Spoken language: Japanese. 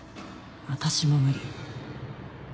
私も無理。